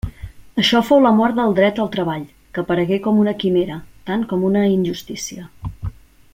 Això fou la mort del dret al treball, que aparegué com una quimera, tant com una injustícia.